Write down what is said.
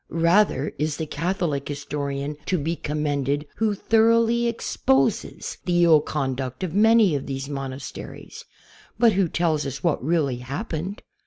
Rather is the Catholic historian to be commended who thoroughly exposes the ill conduct of many of these mon asteries, but who tells us what really happened.